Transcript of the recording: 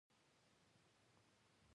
استاد بینوا د سوچه پښتو لپاره مبارزه وکړه.